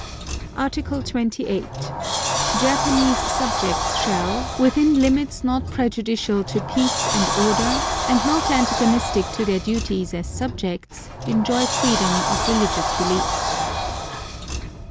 Article 28. Japanese subjects shall, within limits not prejudicial to peace and order, and not antagonistic to their duties as subjects, enjoy freedom of religious belief.